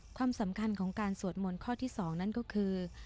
ความสำคัญของการสวดมนต์ข้อที่๒นั่นก็คือ